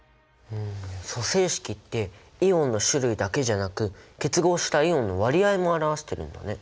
組成式ってイオンの種類だけじゃなく結合したイオンの割合も表してるんだね。